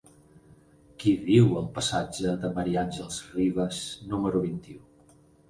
Qui viu al passatge de Ma. Àngels Rivas número vint-i-u?